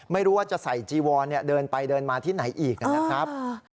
ไม่รู้ว่าจะใส่จีวอนเดินไปเดินมาที่ไหนอีกนะครับ